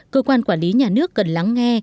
cơ quan quản lý nhà nước cần lắng nghe